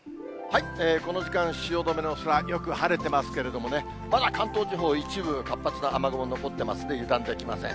この時間、汐留の空、よく晴れてますけどね、まだ関東地方、一部活発な雨雲残ってますので、油断できません。